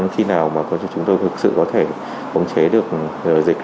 nhưng tuy nhiên là chỉ cho khi nào chúng tôi thực sự có thể công chế được dịch